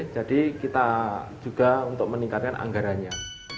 jadi kita juga untuk meningkatkan anggaranya